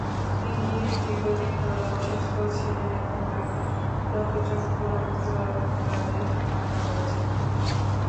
তিনি দীর্ঘদিন ধরে অসুস্থ ছিলেন এবং তাঁকে লোকচক্ষুর অন্তরালে রাখা হয়েছিল।